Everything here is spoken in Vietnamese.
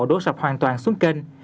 đốt sập hoàn toàn xuống kênh